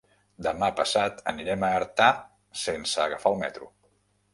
Demà passat anirem a Artà sense agafar el metro.